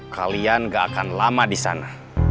kalian gak akan lama di sana